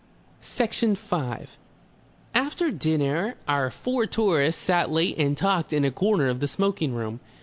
Section 5 After dinner our four tourists sat late and talked in a corner of the smoking room.